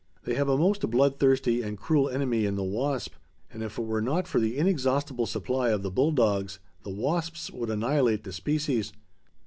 They have a most blood thirsty and cruel enemy in the wasp, and if it were not for the inexhaustible supply of the bull dogs, the wasps would annihilate the species.